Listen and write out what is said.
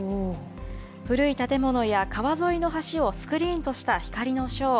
古い建物や川沿いの橋をスクリーンとした光のショー。